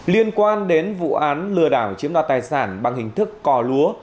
liên quan đến vụ án lừa đảo chiếm đoạt tài sản bằng hình thức cò lúa